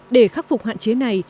để khắc phục hạn chế này